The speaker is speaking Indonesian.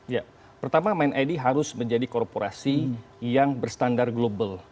ya pertama mind id harus menjadi korporasi yang berstandar global